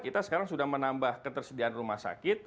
kita sekarang sudah menambah ketersediaan rumah sakit